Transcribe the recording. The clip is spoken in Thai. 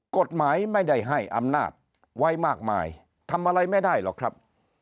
กฎหมายไม่ได้ให้อำนาจไว้มากมายทำอะไรไม่ได้หรอกครับ